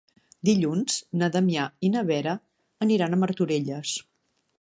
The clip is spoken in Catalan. Dilluns na Damià i na Vera aniran a Martorelles.